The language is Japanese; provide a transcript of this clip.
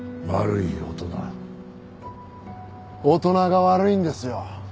大人が悪いんですよ。